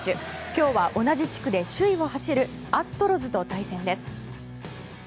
今日は、同じ地区で首位を走るアストロズと対戦です。